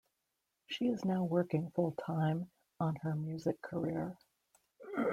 She is now working full-time on her music career.